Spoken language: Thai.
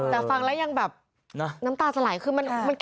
แต่ฟังแล้วยังแบบน้ำตาจะไหลคือมัน